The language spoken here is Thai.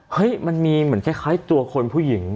มันมีเหมือนคล้ายตัวคนผู้หญิง